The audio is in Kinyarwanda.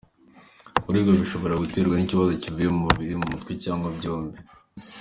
Kuribwa bishobora guterwa n’ikibazo kivuye ku mubiri, mu mutwe cyangwa byombi.